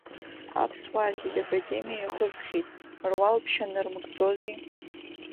Аԥсуаа зегь уи академиа иахысхьеит руал ԥшьа нарымгӡози!